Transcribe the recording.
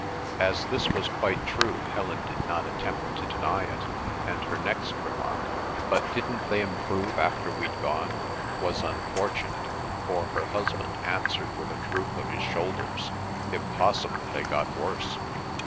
As this was quite true Helen did not attempt to deny it, and her next remark, "But didn't they improve after we'd gone?" was unfortunate, for her husband answered with a droop of his shoulders, "If possible they got worse."